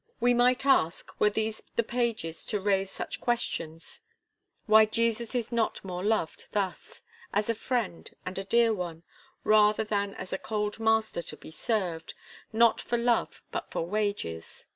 We might ask, were these the pages to raise such questions, why Jesus is not more loved thus as a friend, and a dear one, rather than as a cold master to be served, not for love, but for wages.